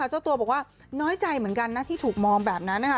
เจ้าตัวบอกว่าน้อยใจเหมือนกันนะที่ถูกมองแบบนั้นนะคะ